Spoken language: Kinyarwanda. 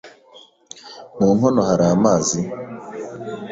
Mu nkono hari amazi?